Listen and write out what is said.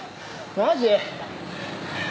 マジ？